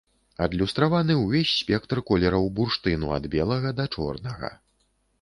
Адлюстраваны ўвесь спектр колераў бурштыну ад белага да чорнага.